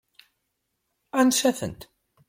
Ansa-tent?